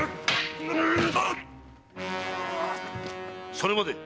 それまで！